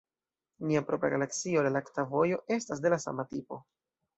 Nia propra galaksio, la lakta vojo, estas de la sama tipo.